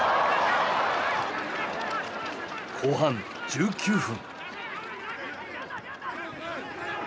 後半１９分。